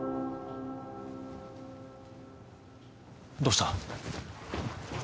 どうした？